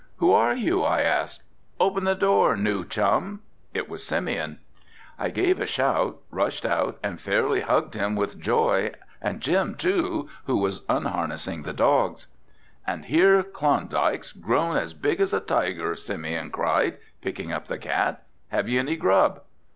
"Who are you?" I asked. "Open the door, new chum." It was Simeon. I gave a shout, rushed out and fairly hugged him with joy and Jim too, who was unharnessing the dogs. "And here's Klondike, grown as big as a tiger," Simeon cried, picking up the cat. "Have you any grub?"